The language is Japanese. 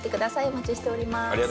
お待ちしております。